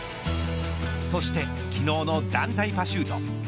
そして昨日の団体パシュート